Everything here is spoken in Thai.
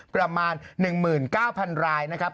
ประมาณ๑๙๐๐รายนะครับ